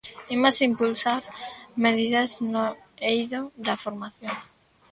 Imos impulsar medidas no eido da formación.